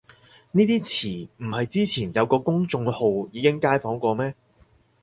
呢啲詞唔係之前有個公眾號已經街訪過咩